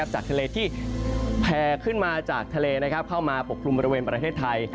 จากทะเลที่แผ่ขึ้นมาจากทะเลเข้ามาปกคลุมบริเวณประเทศไทย